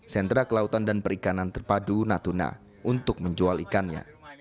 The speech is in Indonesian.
sentra kelautan dan perikanan terpadu natuna untuk menjual ikannya